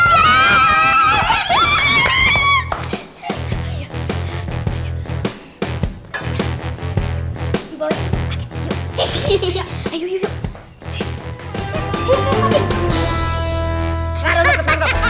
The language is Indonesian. hai sian mau kemana